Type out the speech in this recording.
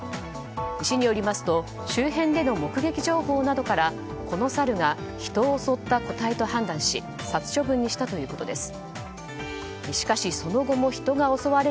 市によりますと周辺での目撃情報などからこのサルが人を襲った個体と判断し殺処分にしたということです。